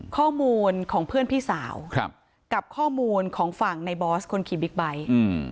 ข้อมูลของเพื่อนพี่สาวครับกับข้อมูลของฝั่งในบอสคนขี่บิ๊กไบท์อืม